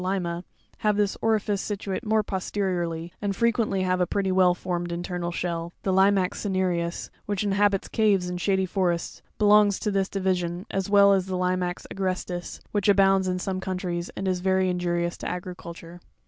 Lima, have this orifice situate more posteriorly, and frequently have a pretty well formed internal shell; the Limazx cinereus, which inhabits caves and shady forests, belongs to this division, as well as the Lima agrestis, which abounds in some countries, and is very injurious to agriculture.